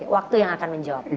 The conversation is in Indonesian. waktu yang akan menjawab